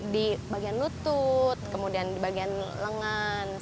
di bagian lutut kemudian di bagian lengan